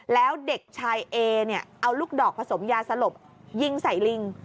แล้วเด็กชายเอเนี่ยเอาลูกดอกผสมยาสลบยิงใส่ลิง